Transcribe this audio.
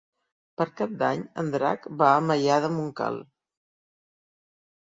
Per Cap d'Any en Drac va a Maià de Montcal.